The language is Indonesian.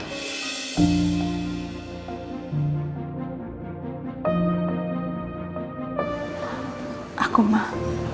tidak bukan saya